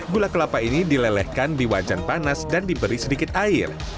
gula kelapa ini dilelehkan di wajan panas dan diberi sedikit air